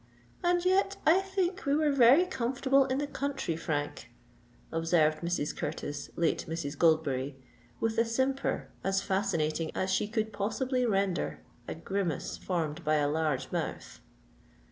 "And yet I think we were very comfortable in the country, Frank?" observed Mrs. Curtis, late Mrs. Goldberry, with a simper as fascinating as she could possible render a grimace formed by a large mouth.